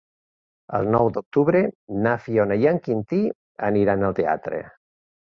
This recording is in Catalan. El nou d'octubre na Fiona i en Quintí aniran al teatre.